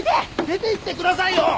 出ていってくださいよ！